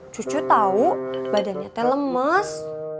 cucu tahu badannya teh lemes